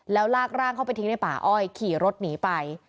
แล้วลากร่างเข้าไปทิ้งในป่าอ้อยขี่รถหนีไป